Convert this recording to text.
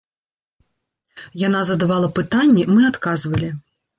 Яна задавала пытанні, мы адказвалі.